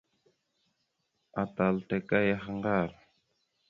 Atal taka yaha ŋgar.